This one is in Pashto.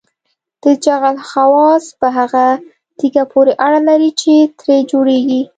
د جغل خواص په هغه تیږه پورې اړه لري چې ترې جوړیږي